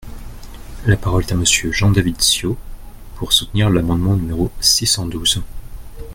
La parole est à Monsieur Jean-David Ciot, pour soutenir l’amendement numéro six cent douze.